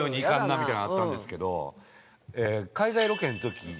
みたいなのあったんですけど。